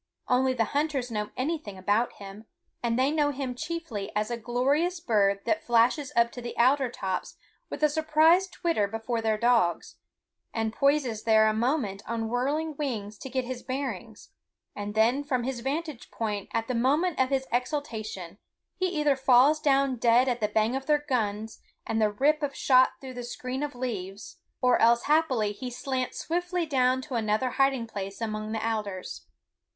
Only the hunters know anything about him, and they know him chiefly as a glorious bird that flashes up to the alder tops with a surprised twitter before their dogs, and poises there a moment on whirring wings to get his bearings, and then from his vantage point at the moment of his exultation he either falls down dead at the bang of their guns and the rip of shot through the screen of leaves, or else happily he slants swiftly down to another hiding place among the alders.